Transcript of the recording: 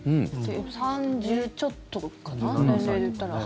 ３０ちょっとかな年齢で言ったら。